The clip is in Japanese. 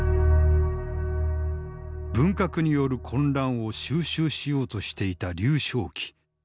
文革による混乱を収拾しようとしていた劉少奇。